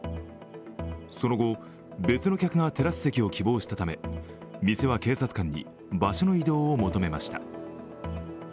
その後、別の客がテラス席を希望したため店は警察官に場所の移動を求めました。